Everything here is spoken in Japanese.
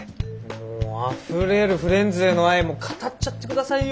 もうあふれるフレンズへの愛を語っちゃって下さいよ。